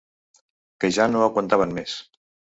Que ja no aguantaven més.